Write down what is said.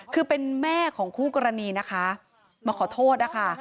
คือเป็นแม่ของคู่กรณีนะคะมาขอโทษนะคะ